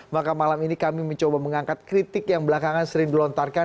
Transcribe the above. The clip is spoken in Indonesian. maka malam ini kami mencoba mengangkat kritik yang belakangan sering dilontarkan